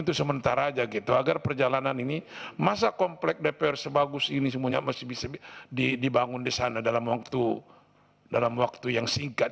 itu sementara aja gitu agar perjalanan ini masa komplek dpr sebagus ini semuanya masih bisa dibangun di sana dalam waktu yang singkat